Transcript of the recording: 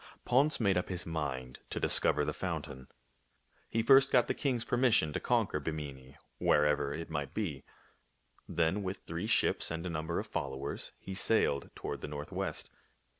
Ponce made up his mind to discover tlie foun tain. He first got the king's permission to conquer Bimini, wherever it might be. Then with three ships and a number of followers he sailed toward the northwest.